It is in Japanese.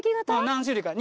何種類か。